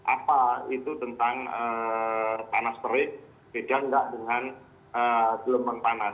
apa itu tentang panas terik beda nggak dengan gelombang panas